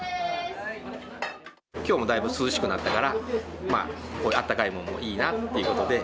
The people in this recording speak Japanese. きょうもだいぶ涼しくなったから、まあ、あったかいものもいいなということで。